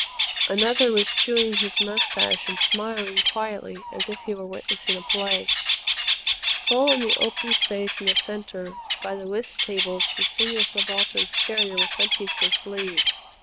Another was chewing his moustache and smiling quietly as if he were witnessing a play. Full in the open space in the centre, by the whist tables, the Senior Subaltern's terrier was hunting for fleas.